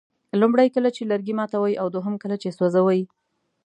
لومړی کله چې لرګي ماتوئ او دوهم کله چې سوځوئ.